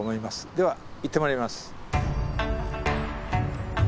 では行ってまいります。